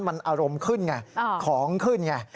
มันอารมณ์ขึ้นไงของขึ้นไง